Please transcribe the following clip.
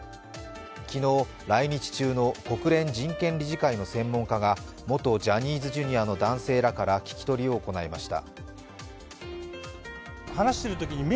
昨日、来日中の国連人権理事会の専門家が元ジャニーズＪｒ．の男性らから聞き取りを行いました。